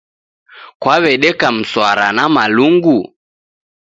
Kwaw'edeka msara na Malungu?